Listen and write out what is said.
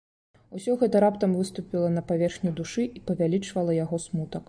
Усё гэта раптам выступіла на паверхню душы і павялічвала яго смутак.